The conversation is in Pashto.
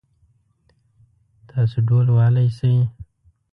تاسو ډهول وهلی شئ؟